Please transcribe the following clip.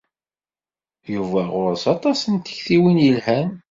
Yuba ɣuṛ-s aṭas n tektiwin yelhan.